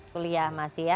kuliah masih ya